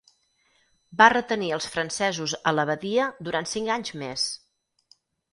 Va retenir als francesos a la badia durant cinc anys més.